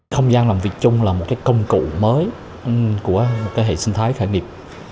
không gian làm việc chung là một công cụ mới của hệ sinh thái khởi nghiệp